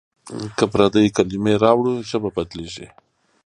که پردۍ کلمې راوړو ژبه بدلېږي.